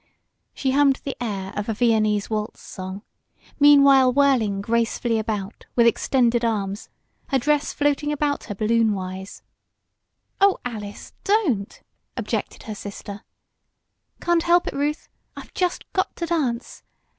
She hummed the air of a Viennese waltz song, meanwhile whirling gracefully about with extended arms, her dress floating about her balloonwise. "Oh, Alice! Don't!" objected her sister. "Can't help it, Ruth. I've just got to dance.